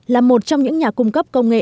là một trong những nhà cung cấp công nghệ